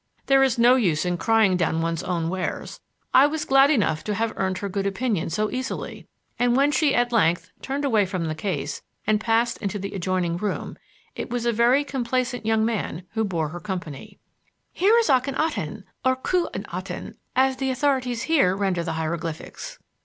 There is no use in crying down one's own wares. I was glad enough to have earned her good opinion so easily, and when she at length turned away from the case and passed through into the adjoining room, it was a very complacent young man who bore her company. "Here is Ahkhenaten or Khu en aten, as the authorities here render the hieroglyphics.